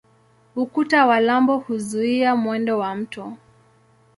Ukuta wa lambo huzuia mwendo wa mto.